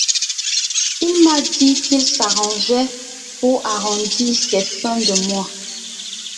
Il m’a dit qu’il s’arrangeait pour arrondir ses fins de mois.